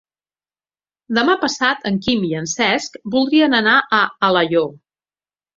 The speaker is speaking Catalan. Demà passat en Quim i en Cesc voldrien anar a Alaior.